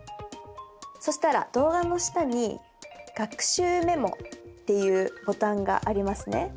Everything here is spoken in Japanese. そしたら動画の下に「学習メモ」っていうボタンがありますね。